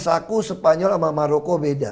saku spanyol sama maroko beda